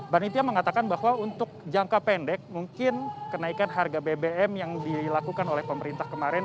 panitia mengatakan bahwa untuk jangka pendek mungkin kenaikan harga bbm yang dilakukan oleh pemerintah kemarin